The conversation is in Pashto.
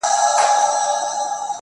ستا څخه چي ياره روانـــــــــــېــږمه.